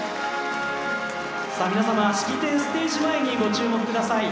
皆様、式典ステージ前にご注目ください。